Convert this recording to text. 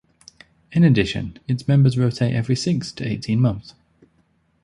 In addition its members rotate every six to eighteen months.